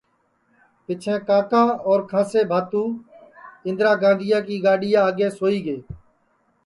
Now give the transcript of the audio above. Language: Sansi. پِچھیں کاکا اور کھانٚسے بھاتو اِندرا گاندھیا کی گڈؔیا آگے سوئی گے